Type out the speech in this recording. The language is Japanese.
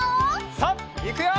さあいくよ！